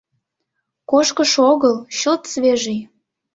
Кошкышо огыл, чылт свежий.